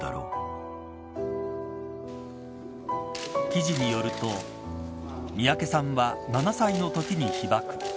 記事によると三宅さんは７歳のときに被爆。